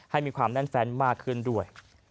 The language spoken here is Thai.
ให้มีความแน่นแฟนมากขึ้นด้วย